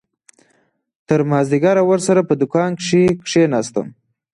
تر مازديگره ورسره په دوکان کښې کښېناستم.